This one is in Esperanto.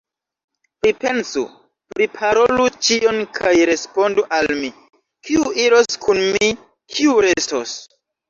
Pripensu, priparolu ĉion kaj respondu al mi, kiu iros kun mi, kiu restos.